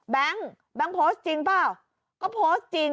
แบขดังโพสต์จริงเป้ามอร์โกมอล์ดจริง